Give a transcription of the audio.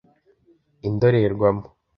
indorerwamo